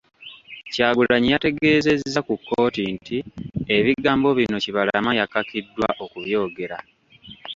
Kyagulanyi yategeezezza ku kkooti nti, ebigambo bino Kibalama yakakiddwa okubyogera.